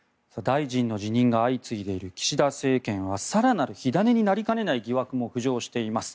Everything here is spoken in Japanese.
大臣の辞任が相次いでいる岸田政権は更なる火種になりかねない疑惑も浮上しています。